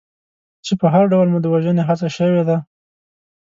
چې په هر ډول مو د وژنې هڅه شوې ده.